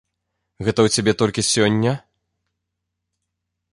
Гэта ў цябе толькі сёння?